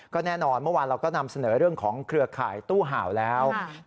ก็แน่นอนเมื่อวานเราก็นำเสนอเรื่องของเครือข่ายตู้ห่าวแล้ว